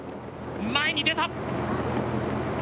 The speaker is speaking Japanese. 前に出た。